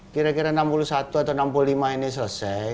kira kira enam puluh satu atau enam puluh lima ini selesai